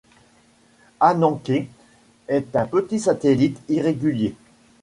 Ananké est un petit satellite irrégulier.